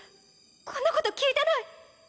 こんなこと聞いてない。